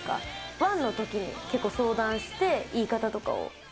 ワンのときに結構相談して、言い方とかを。